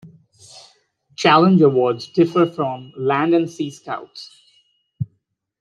Challenge awards differ from Land and Sea Scouts.